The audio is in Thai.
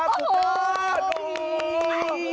โอ้ขอบคุณ